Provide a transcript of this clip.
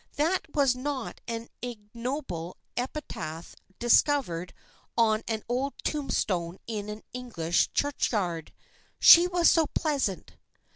That was not an ignoble epitaph discovered on an old tombstone in an English churchyard, "She was so pleasant."